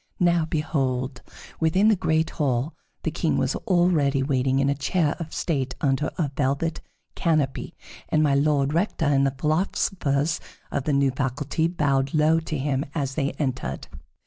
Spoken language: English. Now behold! within the great hall the King was already waiting in a chair of state under a velvet canopy, and My Lord Rector and the philosophers of the new faculty bowed low to him as they entered.